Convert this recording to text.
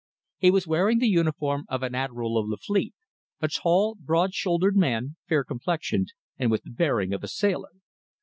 He was wearing the uniform of an Admiral of the Fleet a tall, broad shouldered man, fair complexioned, and with the bearing of a sailor.